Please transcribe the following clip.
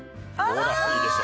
ほらいいでしょ。